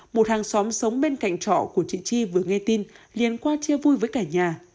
một hàng xóm sống bên cạnh trọ của chị chi vừa nghe tin liền qua chia vui với cả nhà